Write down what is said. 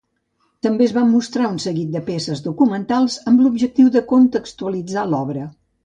També es van mostrar un seguit de peces documentals amb l'objectiu de contextualitzar l'obra.